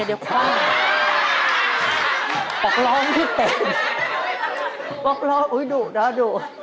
บอกร้องอุ๊ยดุนะดุ